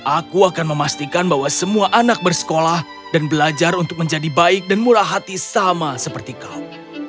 aku akan memastikan bahwa semua anak bersekolah dan belajar untuk menjadi baik dan murah hati sama seperti kau